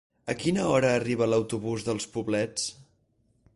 A quina hora arriba l'autobús dels Poblets?